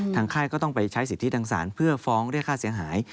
ค่ายก็ต้องไปใช้สิทธิทางศาลเพื่อฟ้องเรียกค่าเสียหาย